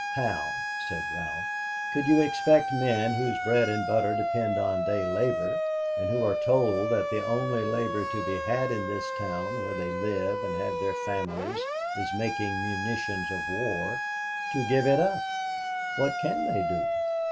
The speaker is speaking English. How?" said Ralph, "could you expect men whose bread and butter depend on day labor and who are told that the only labor to be had in this town where they live and have their families is making munitions of war, to give it up? What can they do?"